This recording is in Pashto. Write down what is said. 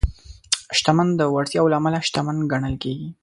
شتمن د وړتیاوو له امله شتمن ګڼل کېږي.